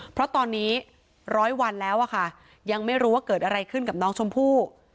เพราะตอนนี้ร้อยวันแล้วอะค่ะยังไม่รู้ว่าเกิดอะไรขึ้นกับน้องชมพู่